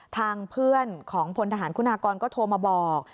ทางเพื่อนของพลทหารคุณากรก็โทรมาบอก